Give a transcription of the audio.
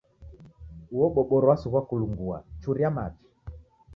Uo boboro wasighwa kulungua churia machi